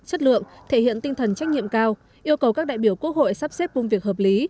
chất lượng thể hiện tinh thần trách nhiệm cao yêu cầu các đại biểu quốc hội sắp xếp công việc hợp lý